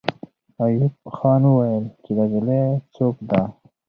ایوب خان وویل چې دا نجلۍ څوک ده.